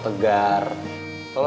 itu gak usah tegar